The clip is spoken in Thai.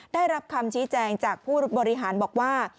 ได้รับคำชี้แจงจากผู้บริหารบอกว่า